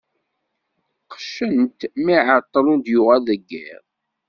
Qeccen-t mi iεeṭṭel ur d-yuɣal deg yiḍ.